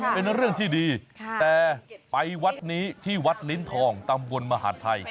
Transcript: เป็นเรื่องที่ดีแต่ไปวัดนี้ที่วัดลิ้นทองตำบลมหาดไทย